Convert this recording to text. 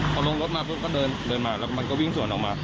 ตอนลงรถมาเมื่อกล้องเขาเริ่นมามันก็วิ่งกระโดดวิ่งส่วนออกมา